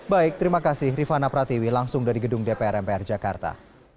baik terima kasih rifana pratiwi langsung dari gedung dpr mpr jakarta